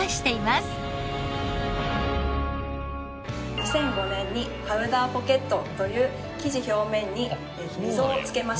２００５年にパウダーポケットという生地表面に溝をつけました。